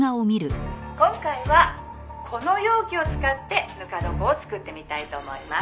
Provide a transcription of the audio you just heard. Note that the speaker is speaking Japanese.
「今回はこの容器を使ってぬか床を作ってみたいと思います」